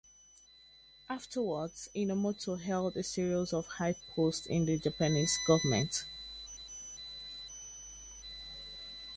Afterwards, Enomoto held a series of high posts in the Japanese government.